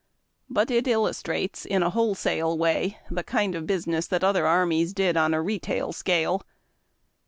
But it illustrates in a wholesale way the kind of business other armies did on a retail scale.